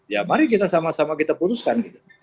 ya mari kita sama sama kita putuskan